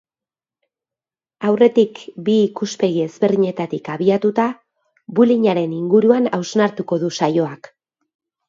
Aurretik bi ikuspegi ezberdinetatik abiatuta, bullyingaren inguruan hausnartuko du saioak.